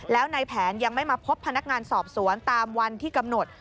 แล้วในแผนยังไม่มาพบพนักงานสอบสวนตามวันที่กำหนด